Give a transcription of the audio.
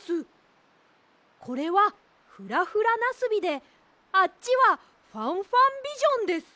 これは「フラフラなすび」であっちは「ファンファンビジョン」です。